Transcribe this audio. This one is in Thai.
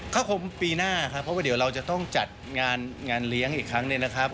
ก็คงปีหน้าครับเพราะว่าเดี๋ยวเราจะต้องจัดงานเลี้ยงอีกครั้งหนึ่งนะครับ